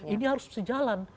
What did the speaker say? ini harus sejalan